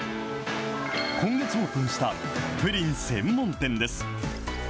今月オープンしたプリン専門店です。